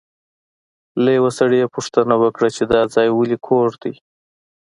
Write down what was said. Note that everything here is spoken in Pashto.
له یوه سړي یې پوښتنه وکړه چې دا ځای ولې کوږ دی.